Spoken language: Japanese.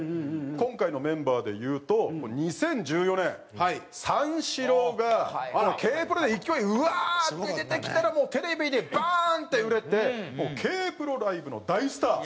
今回のメンバーでいうと２０１４年三四郎がＫ−ＰＲＯで勢いうわーって出てきたらもうテレビでバーンって売れてＫ−ＰＲＯライブの大スター。